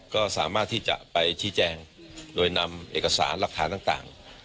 ก็สามารถที่จะไปชี้แจงโดยนำเอกสารหลักฐานต่าง